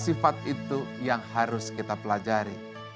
sifat itu yang harus kita pelajari